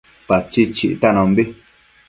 Pachid chictanombi